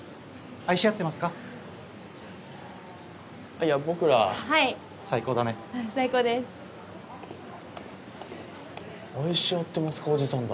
愛し合ってますかおじさんだ。